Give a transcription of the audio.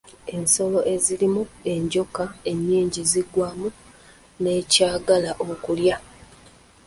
Ensolo ezirimu enjoka ennyingi ziggwamu n’ekyagala okulya.